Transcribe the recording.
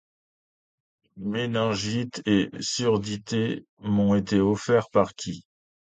Méningite et surdité m’ont été offertes par qui ?